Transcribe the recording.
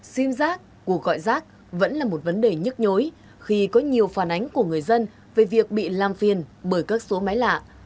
sim giác cuộc gọi rác vẫn là một vấn đề nhức nhối khi có nhiều phản ánh của người dân về việc bị làm phiền bởi các số máy lạ